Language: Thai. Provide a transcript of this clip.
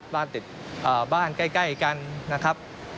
บ้านติดบ้านใกล้กันนะครับ